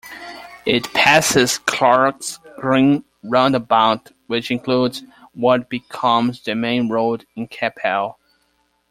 It passes Clark's Green roundabout, which includes what becomes the main road in Capel.